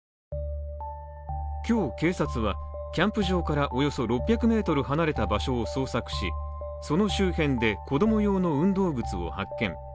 今日警察は、キャンプ場からおよそ６００ｍ離れた場所を捜索しその周辺で子供用の運動靴を発見